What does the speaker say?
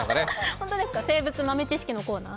ホントですか、静物豆知識のコーナー。